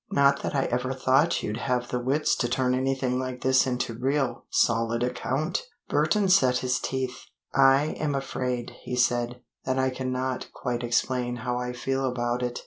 "Not that I ever thought you'd have the wits to turn anything like this into real, solid account!" Burton set his teeth. "I am afraid," he said, "that I cannot quite explain how I feel about it.